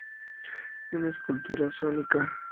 Una escultura sónica".